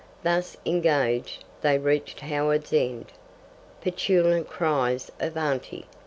Thus engaged, they reached Howards End. Petulant cries of "Auntie!"